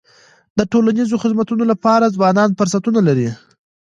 د ټولنیزو خدمتونو لپاره ځوانان فرصتونه لري.